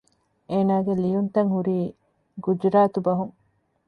އޭނާގެ ލިޔުންތައް ހުރީ ގުޖުރާތު ބަހުން